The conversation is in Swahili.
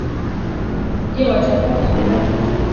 Je watambua kusudi lake Mungu.